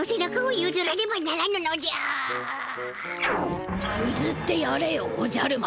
ゆずってやれよおじゃる丸。